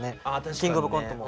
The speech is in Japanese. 「キングオブコント」も。